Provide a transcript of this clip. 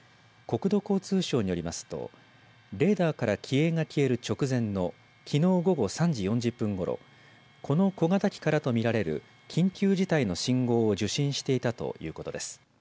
国土交通省によりますとレーダーから機影が消える直前のきのう午後３時４０分ごろこの小型機からとみられる緊急事態の信号を受信していたということです。